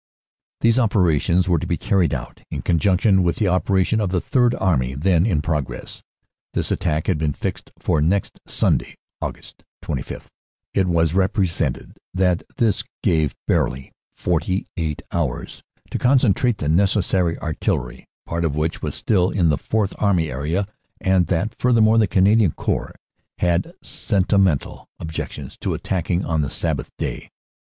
These operations were to be carried out in conjunction with the operation of the Third Army then in progress. This attack had been fixed for next Sunday, Aug. 25. It was repre sented that this gave barely 48 hours to concentrate the neces sary artillery, part of which was still in the Fourth Army area, and that, furthermore, the Canadian Corps had sentimental objections to attacking on the Sabbath Day.